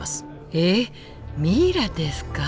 えっミイラですか？